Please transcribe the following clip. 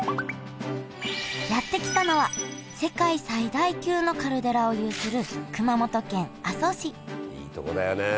やって来たのは世界最大級のカルデラを有する熊本県阿蘇市いいとこだよね